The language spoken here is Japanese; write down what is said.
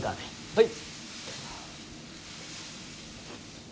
はい。